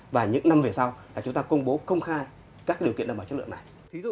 và những năm về sau chúng ta công bố công khai các điều kiện đảm bảo chất lượng này